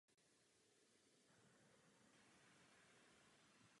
Podél trasy plánované bariéry ale vyrostla na severozápadní straně od Bejt Arje nová silnice.